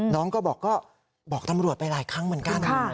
น้องก็บอกตำรวจไปหลายครั้งเหมือนกัน